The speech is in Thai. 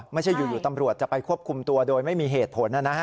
ไม่ใช่อยู่ตำรวจจะไปควบคุมตัวโดยไม่มีเหตุผล